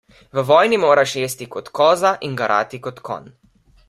V vojni moraš jesti kot koza in garati kot konj.